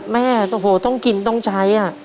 แม่โอ้โหต้องกินต้องใช้